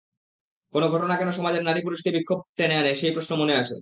কোন ঘটনা কেন সমাজের নারী-পুরুষকে ব্যাপক বিক্ষোভে টেনে আনে, সেই প্রশ্ন মনে আসে।